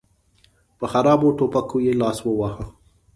په خرابو ټوپکو یې لاس وواهه.